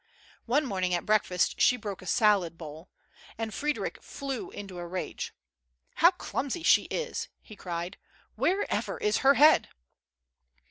One morning at breakfast she broke a salad bowl, and Frederic flew into a rage. "How clumsy she is!" he cried. "Wherever is her head?"